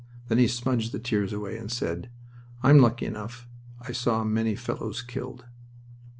Then he smudged the tears away and said: "I'm lucky enough. I saw many fellows killed."